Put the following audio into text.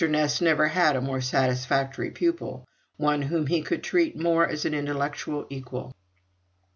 Ness never had a more satisfactory pupil; one whom he could treat more as an intellectual equal.